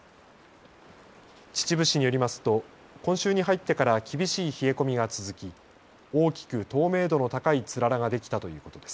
秩父市によりますと今週に入ってから厳しい冷え込みが続き、大きく透明度の高いつららができたということです。